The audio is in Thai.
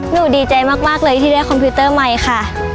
ดีใจมากเลยที่ได้คอมพิวเตอร์ใหม่ค่ะ